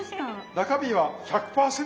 中身は１００％